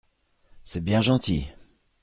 C’est bien gentil !